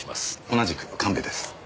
同じく神戸です。